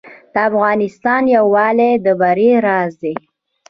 د افغانستان یووالی د بری راز دی